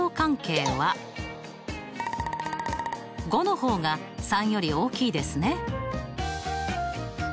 ５の方が３より大きいですね。